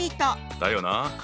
だよな！